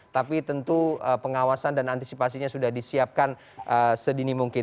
tapi tentu pengawasan dan antisipasinya sudah disiapkan sedini mungkin